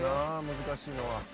難しいのは。